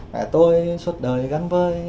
mẹ tôi suốt đời gắn vơi